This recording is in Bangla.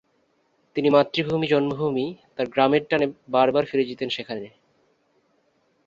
তিনি মাতৃভূমি-জন্মভূমি তার গ্রামের টানে বার বার ফিরে যেতেন সেখানে।